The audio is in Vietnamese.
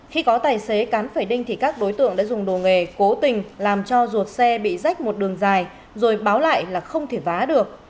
khi có tài xế cán phải đinh thì các đối tượng đã dùng đồ nghề cố tình làm cho ruột xe bị rách một đường dài rồi báo lại là không thể vá được